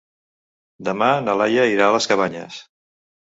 Demà na Laia irà a les Cabanyes.